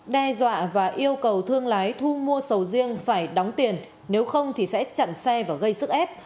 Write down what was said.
đe dọa và yêu cầu thương lái thu mua sầu riêng phải đóng tiền nếu không thì sẽ chặn xe và gây sức ép